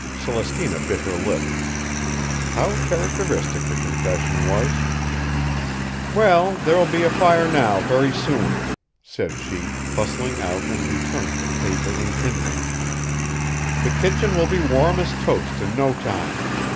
Celestina bit her lip. How characteristic the confession was! "Well, there'll be a fire now very soon," said she, bustling out and returning with paper and kindlings. "The kitchen will be warm as toast in no time.